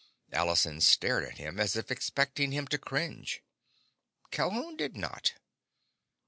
Allison stared at him as if expecting him to cringe. Calhoun did not.